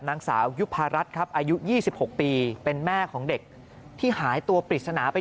นางสาวยุภารัฐครับอายุ๒๖ปีเป็นแม่ของเด็กที่หายตัวปริศนาไป